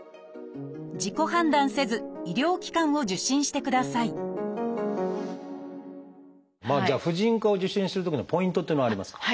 自己判断せず医療機関を受診してくださいじゃあ婦人科を受診するときのポイントっていうのはありますか？